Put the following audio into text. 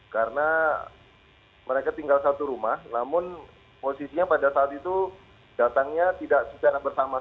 karena mereka tinggal satu rumah namun posisinya pada saat itu datangnya tidak secara bertanggung